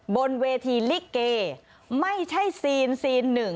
บนเวทีลิเกไม่ใช่ซีนซีนหนึ่ง